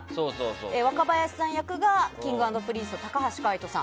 若林さん役がＫｉｎｇ＆Ｐｒｉｎｃｅの高橋海人さん。